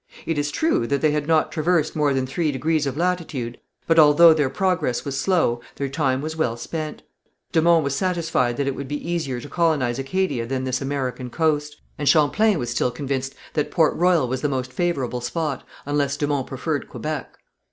It is true that they had not traversed more than three degrees of latitude, but, although their progress was slow, their time was well spent. De Monts was satisfied that it would be easier to colonize Acadia than this American coast, and Champlain was still convinced that Port Royal was the most favourable spot, unless de Monts preferred Quebec.